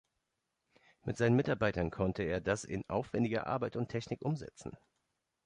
Mit seinen Mitarbeitern konnte er das in aufwendiger Arbeit und Technik umsetzen.